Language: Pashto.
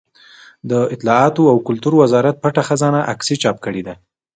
د اطلاعاتو او کلتور وزارت پټه خزانه عکسي چاپ کړې ده.